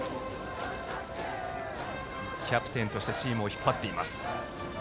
キャプテンとしてチームを引っ張っています。